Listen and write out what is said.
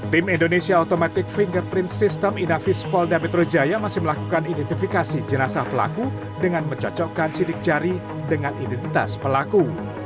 tim indonesia automatic fingerprint system inafis polda metro jaya masih melakukan identifikasi jenazah pelaku dengan mencocokkan sidik jari dengan identitas pelaku